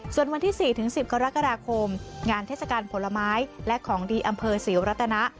ส่วนวันที่๔๑๐กรกฎาคมงานเทศกาลผลไม้และของดีอำเภอศรีวรัตนะ